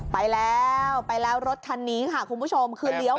ไปแล้วไปแล้วรถคันนี้ค่ะคุณผู้ชม